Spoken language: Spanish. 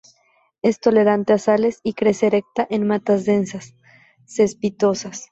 Es tolerante a sales,y crece erecta en matas densas, cespitosas.